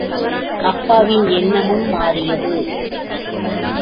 அப்பாவின் எண்ணமும் மாறியது.